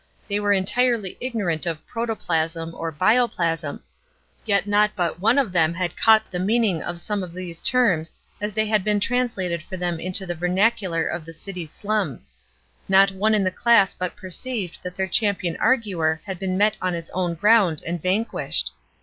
They were entirely ignorant of "protoplasm" or "bioplasm;" yet not one of them but had caught the meaning of some of these terms as they had been translated for them into the vernacular of the city slums; not one in the class but perceived that their champion arguer had been met on his own ground and vanquished.